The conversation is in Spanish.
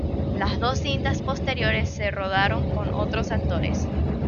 Las dos cintas posteriores se rodaron con otros actores.